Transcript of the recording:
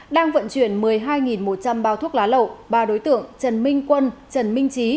đang vận chuyển một mươi hai một trăm linh bao thuốc lá lậu ba đối tượng trần minh quân trần minh trí